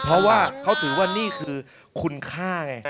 เพราะว่าเขาถือว่านี่คือคุณค่าไง